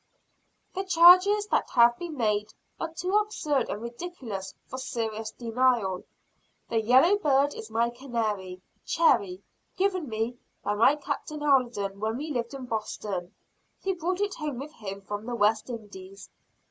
"The charges that have been made are too absurd and ridiculous for serious denial. The 'yellow bird' is my canary bird, Cherry, given me by Captain Alden when we lived in Boston. He brought it home with him from the West Indies.